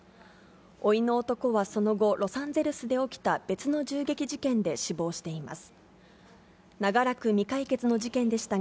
おいの男はその後、ロサンゼルスで起きた別の銃撃事件で死亡しています。